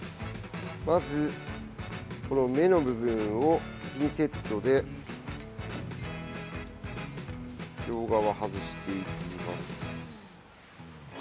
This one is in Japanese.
まず、目の部分をピンセットで両側外していきます。